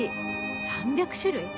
３００種類。